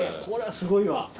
これはすごいわ。